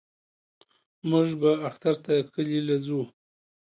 موږ به اختر ته کلي له زو.